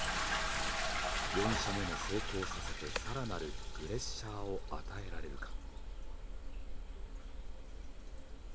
４射目も成功させて更なるプレッシャーを与えられるか。